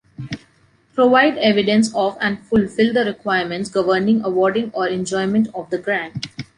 Provide evidence of and fulfil the requirements governing awarding or enjoyment of the grant.